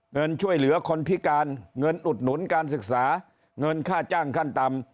เงินช่วยเหลือคนพิการเงินอุดหนุนการศึกษาเงินค่าจ้างขั้นต่ำ